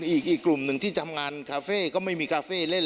อีกกลุ่มหนึ่งที่ทำงานคาเฟ่ก็ไม่มีคาเฟ่เล่น